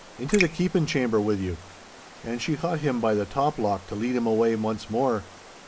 —Into the keepin' chamber wi' you!' And she caught him by the top lock to lead him away once more.